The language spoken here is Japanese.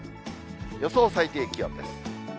予想最低気温です。